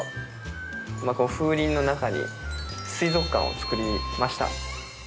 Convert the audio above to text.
この風鈴の中に水族館を作りました。